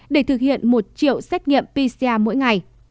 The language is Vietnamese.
để thực hiện một triệu xét nghiệm pcr mỗi ngày